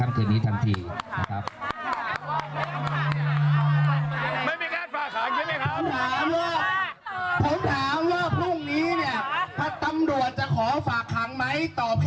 ไม่มีใช่ไหมไม่มีใช่ไหม